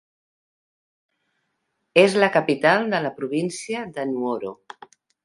És la capital de la província de Nuoro.